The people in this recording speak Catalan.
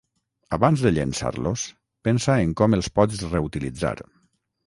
Abans de llençar-los, pensa en com els pots reutilitzar.